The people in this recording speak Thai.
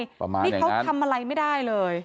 นี่เขาทำอะไรไม่ได้เลย